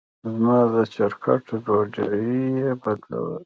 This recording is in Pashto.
زما د چپرکټ روجايانې يې بدلولې.